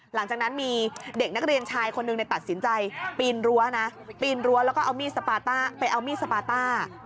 หลังจากนั้นมีเด็กนักเรียนชายคนหนึ่งตัดสินใจปีนรั้วนะปีนรั้วแล้วก็เอามีดสปาต้าไปเอามีดสปาต้า